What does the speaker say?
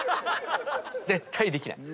絶対できない。